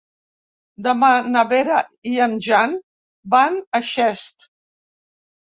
Demà na Vera i en Jan van a Xest.